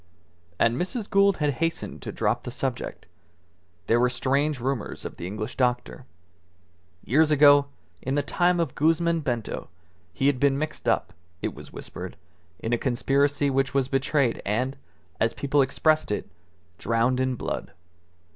And Mrs. Gould had hastened to drop the subject. There were strange rumours of the English doctor. Years ago, in the time of Guzman Bento, he had been mixed up, it was whispered, in a conspiracy which was betrayed and, as people expressed it, drowned in blood.